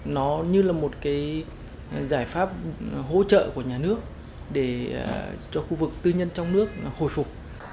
nó như là một cái giải pháp hỗ trợ của nhà nước để cho khu vực tư nhân trong nước hồi phục